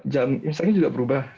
jam imsahnya juga berubah